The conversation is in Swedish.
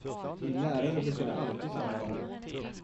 Min lärare brukade alltid tjata om det.